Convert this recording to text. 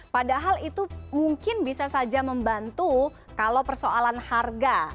padahal itu mungkin bisa saja membantu kalau persoalan harga